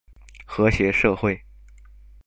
和諧社會